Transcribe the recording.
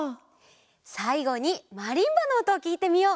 さいごにマリンバのおとをきいてみよう！